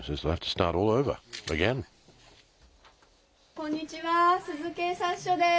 こんにちは、珠洲警察署です。